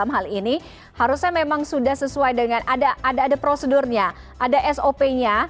hal ini harusnya memang sudah sesuai dengan ada prosedurnya ada sop nya